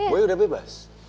boy udah bebas